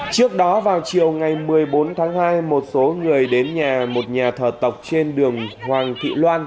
trước đó vào chiều ngày một mươi bốn tháng hai một số người đến nhà một nhà thờ tộc trên đường hoàng thị loan